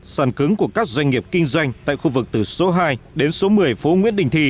sàn cứng của các doanh nghiệp kinh doanh tại khu vực từ số hai đến số một mươi phố nguyễn đình thi